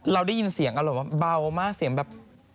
เราได้ยินเสียงอารมณ์ว่าเบามากเสียงแบบ